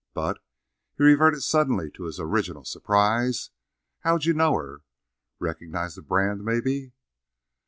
But" he reverted suddenly to his original surprise "how'd you know her? Recognize the brand, maybe?"